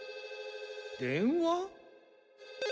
電話？